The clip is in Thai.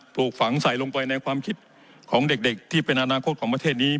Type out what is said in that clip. ปลูกฝังใส่ลงไปในความคิดของเด็กที่เป็นอนาคตของประเทศนี้